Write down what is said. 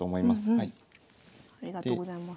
ありがとうございます。